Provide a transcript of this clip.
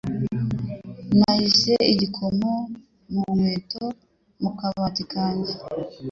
Nahishe igikomo mu nkweto mu kabati kanjye.